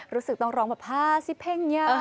รู้สึกต้องร้องแบบฮาซิเผ้งเงียบ